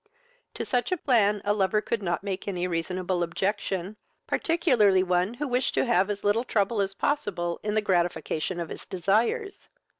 To such a plan a lover could not make any reasonable objection, particularly one who wished to have as little trouble as possible in the gratification of his desires.